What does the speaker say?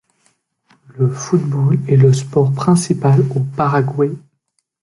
Le football est le sport principal au Paraguay.